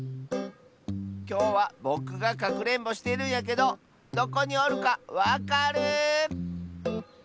きょうはぼくがかくれんぼしてるんやけどどこにおるかわかる？